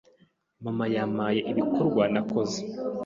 Mama yampaye ibikorwa nakoze